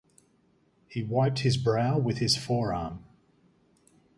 He wiped his brow with his forearm.